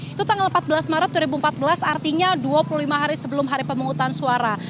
itu tanggal empat belas maret dua ribu empat belas artinya dua puluh lima hari sebelum hari pemungutan suara